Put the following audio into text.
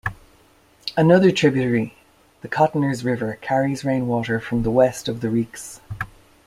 Another tributary, the Cottoners River, carries rainwater from the west of the Reeks.